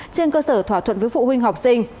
trên cơ sở thỏa thuận với phụ huynh học sinh